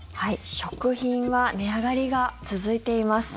食品は値上がりが続いています。